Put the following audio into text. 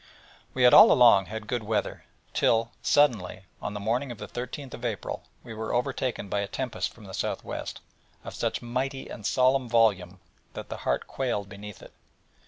We had all along had good weather: till, suddenly, on the morning of the 13th April, we were overtaken by a tempest from the S.W., of such mighty and solemn volume that the heart quailed beneath it.